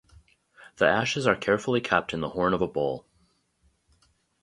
The ashes are carefully kept in the horn of a bull.